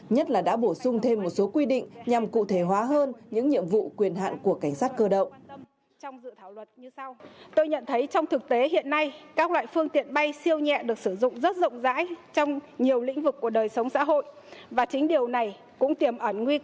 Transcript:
nhất là đã bổ sung thêm một số quy định nhằm cụ thể hóa hơn những nhiệm vụ quyền hạn của cảnh sát cơ động